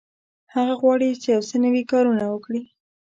هغه غواړي چې یو څه نوي کارونه وکړي.